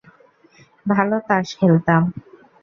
ভালো তাস খেলতাম।